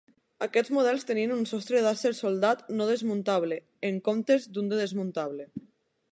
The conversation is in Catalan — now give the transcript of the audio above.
Aquests models tenien un sostre d'acer soldat no desmuntable, en comptes d'un de desmuntable.